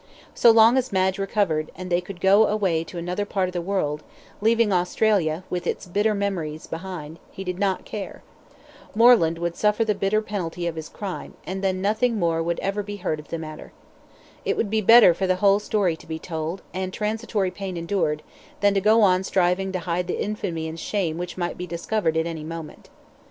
So long as Madge recovered, and they could go away to another part of the world, leaving Australia, with its bitter memories behind he did not care. Moreland would suffer the bitter penalty of his crime, and then nothing more would ever be heard of the matter. It would be better for the whole story to be told, and transitory pain endured, than to go on striving to hide the infamy and shame which might be discovered at any moment.